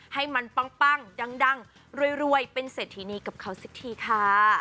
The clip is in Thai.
ให้มันปั้งดังรวยเป็นเสร็จทีนี้กับเขาสิทธิค่ะ